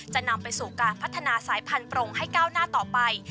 นำไปสู่การพัฒนาสายพันธรงให้ก้าวหน้าต่อไป